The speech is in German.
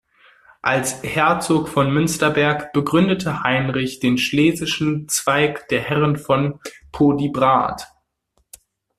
Als Herzog von Münsterberg begründete Heinrich den schlesischen Zweig der Herren von Podiebrad.